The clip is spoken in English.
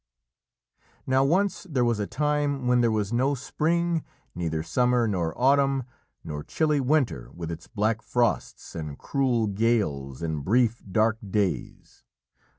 Now once there was a time when there was no spring, neither summer nor autumn, nor chilly winter with its black frosts and cruel gales and brief, dark days.